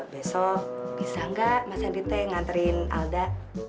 besok bisa gak mas henry teh nganterin alda